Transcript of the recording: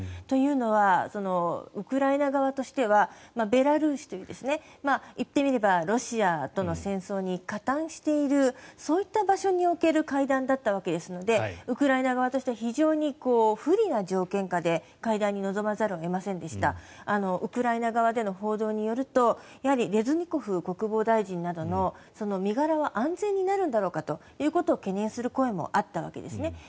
というのはウクライナ側としてはベラルーシといういってみればロシアとの戦争に加担しているそういった場所における会談だったわけですのでウクライナ側としては非常に不利な条件下で会談に臨まざるを得ませんでした。ウクライナ側での報道によるとレズニコフ国防大臣などの身柄は安全になるんだろうかという声もあったわけですね。